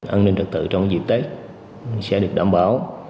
an ninh trật tự trong dịp tết sẽ được đảm bảo